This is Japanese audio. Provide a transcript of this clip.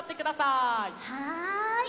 はい。